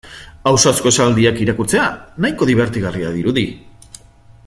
Ausazko esaldiak irakurtzea nahiko dibertigarria dirudi.